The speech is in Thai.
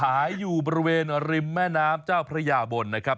อยู่บริเวณริมแม่น้ำเจ้าพระยาบนนะครับ